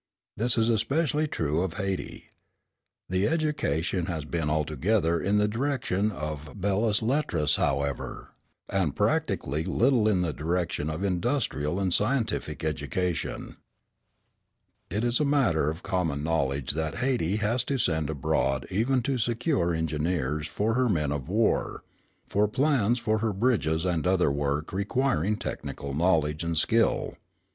This is especially true of Hayti. The education has been altogether in the direction of belles lettres, however, and practically little in the direction of industrial and scientific education. It is a matter of common knowledge that Hayti has to send abroad even to secure engineers for her men of war, for plans for her bridges and other work requiring technical knowledge and skill.